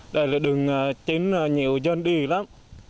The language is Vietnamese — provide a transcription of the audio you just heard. đây là đường chính nhiều dân đi lắm